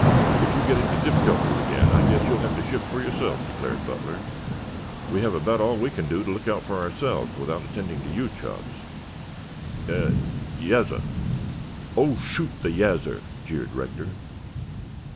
"If you get into difficulties again I guess you'll have to shift for yourself," declared Butler. "We have about all we can do to look out for ourselves without attending to you, Chops." "Ya yassir." "Oh, shoot the 'yassir,'" jeered Rector.